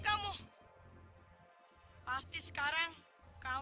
dan muah queg paham